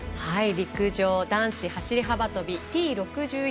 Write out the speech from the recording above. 陸上男子走り幅跳びＴ６４。